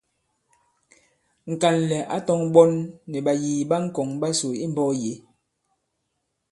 Ŋ̀kànlɛ̀ ǎ tɔ̄ŋ ɓɔ̌n nì ɓàyìì ɓa ŋ̀kɔ̀ŋ ɓasò imbɔ̄k yě.